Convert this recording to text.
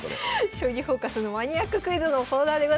「将棋フォーカス」のマニアッククイズのコーナーでございます。